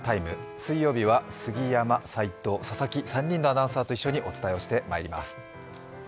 水曜日は杉山、齋藤、佐々木、３人のアナウンサーと一緒にお伝えしてまいります。